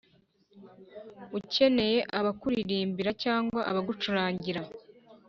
ukeneye abakuririmbira cyangwa abagucurangira